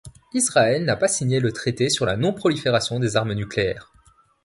Israël n’a pas signé le Traité sur la non-prolifération des armes nucléaires.